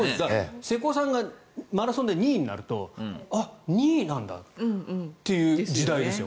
瀬古さんがマラソンで２位になるとあ、２位なんだっていう時代ですよ。